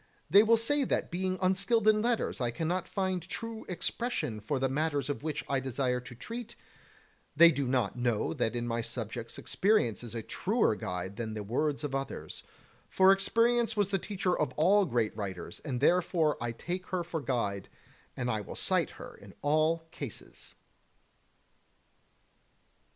They will say that being unskilled in letters I cannot find true expression for the matters of which I desire to treat; they do not know that in my subjects experience is a truer guide than the words of others, for experience was the teacher of all great writers, and therefore I take her for guide, and I will cite her in all cases.